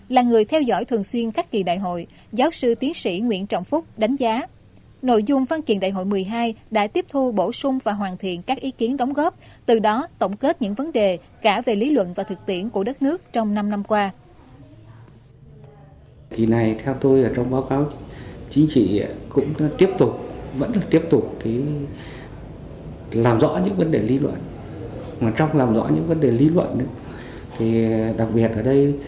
là người theo dõi thường xuyên các kỳ đại hội giáo sư tiến sĩ nguyễn trọng phúc đánh giá nội dung phân kiện đại hội một mươi hai đã tiếp thu bổ sung và hoàn thiện các ý kiến đóng góp từ đó tổng kết những vấn đề cả về lý luận và thực tiễn của đất nước trong năm năm qua